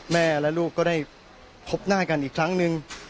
แม่และลูกก็ได้พบหน้ากันอีกครั้งหนึ่ง